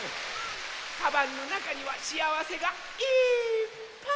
カバンのなかにはしあわせがいっぱい！